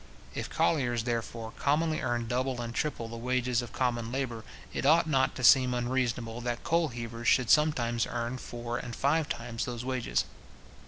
If colliers, therefore, commonly earn double and triple the wages of common labour, it ought not to seem unreasonable that coal heavers should sometimes earn four and five times those wages.